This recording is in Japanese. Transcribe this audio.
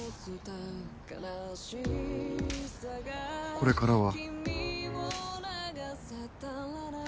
これからは。